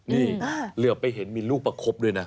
นี่เหลือประเข็นรูปประคบด้วยนะ